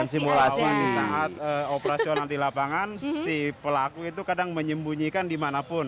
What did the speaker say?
pemirsa di saat operasional di lapangan si pelaku itu kadang menyembunyikan di mana pun